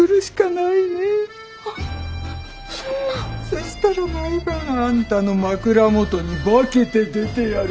そしたら毎晩あんたの枕元に化けて出てやる。